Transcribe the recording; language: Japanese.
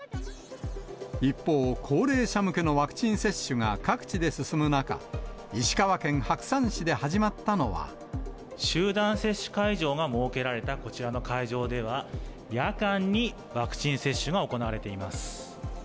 一方、高齢者向けのワクチン接種が各地で進む中、集団接種会場が設けられた、こちらの会場では、夜間にワクチン接種が行われています。